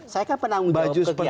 saya kan penanggung jawab kegiatan